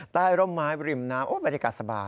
ร่มไม้บริมน้ำบรรยากาศสบาย